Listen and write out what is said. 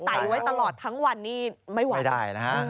ใส่ไว้ตลอดทั้งวันนี้ไม่ได้นะ